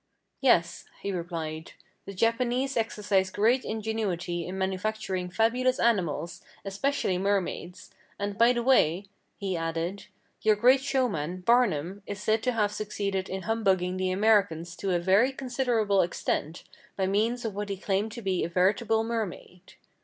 "Yes," he replied; "the Japanese exercise great ingenuity in manufacturing fabulous animals, especially mermaids; and by the way," he added, "your great showman, Barnum, is said to have succeeded in humbugging the Americans to a very considerable extent, by means of what he claimed to be a veritable mermaid."